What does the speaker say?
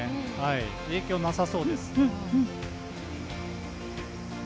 影響なさそうです。